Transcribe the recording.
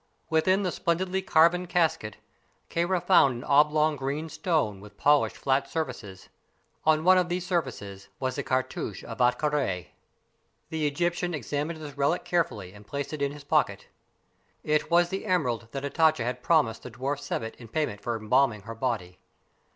Within the splendidly carven casket Kāra found an oblong green stone, with polished flat surfaces. On one of these surfaces was the cartouche of Ahtka Rā, as follows: [Illustration: hyroglyphic cartouche] The Egyptian examined this relic carefully and placed it in his pocket. It was the emerald that Hatatcha had promised the dwarf Sebbet in payment for embalming her body.